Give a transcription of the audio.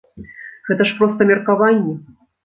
Гэта ж проста меркаванні!